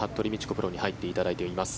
プロに入っていただいています。